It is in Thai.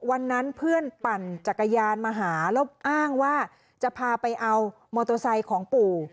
วันนั้นเพื่อนปั่นจักรยานมาหาแล้วอ้างว่าจะพาไปเอามอเตอร์ไซค์ของปู่